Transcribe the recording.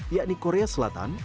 yakni korea selatan